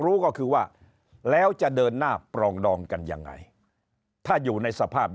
รู้ก็คือว่าแล้วจะเดินหน้าปรองดองกันยังไงถ้าอยู่ในสภาพ